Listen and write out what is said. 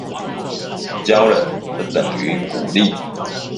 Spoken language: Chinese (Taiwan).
教了，不等於鼓勵